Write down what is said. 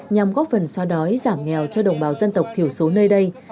nhằm góp phần xoa đói giảm nghèo cho đồng bào dân tộc thiểu số nơi đây